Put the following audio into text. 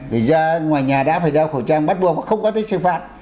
rồi ra ngoài nhà đã phải đeo khẩu trang bắt buộc mà không có tới xử phạt